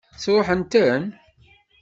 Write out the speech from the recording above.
Sṛuḥent-ten?